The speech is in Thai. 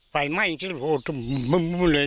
ไฟไหม้ก็เลย